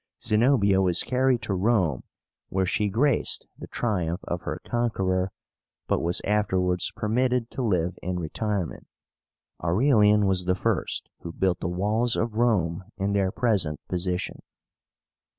Zenobia was carried to Rome, where she graced the triumph of her conqueror, but was afterwards permitted to live in retirement. Aurelian was the first who built the walls of Rome in their present position.